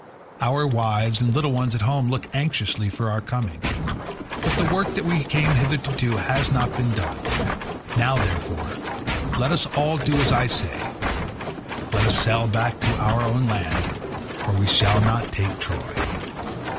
Our wives and little ones at home look anxiously for our coming, but the work that we came hither to do has not been done. Now, therefore, let us all do as I say: let us sail back to our own land, for we shall not take Troy."